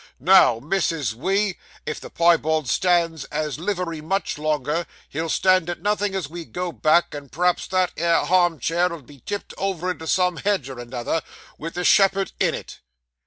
Now, Mrs. We, if the piebald stands at livery much longer, he'll stand at nothin' as we go back, and p'raps that 'ere harm cheer 'ull be tipped over into some hedge or another, with the shepherd in it.